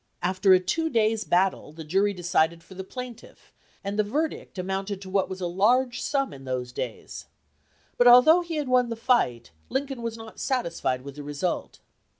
After a two days' battle, the jury decided for the plaintiff, and the verdict amounted to what was a large sum in those days. But although he had won the fight, Lincoln was not satisfied with the result.